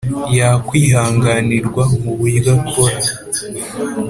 yakwihanganirwa mu byo akora.